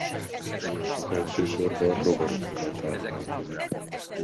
Elsősorban rovarokkal táplálkozik.